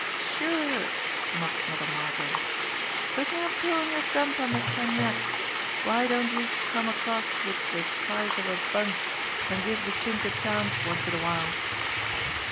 "Sure!" mocked Mother Margot. "Cookin' a pill in yer dump under Sen Yat's ! Why don't youse come across wid de price of a bunk, an' give de Chink a chance once in a while?"